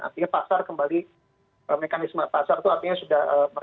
artinya pasar kembali mekanisme pasar itu artinya sudah